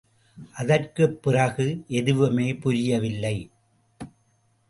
அதற்குப் பிறகு எதுவுமே புரியவில்லை.